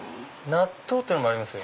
納豆っていうのもありますよ。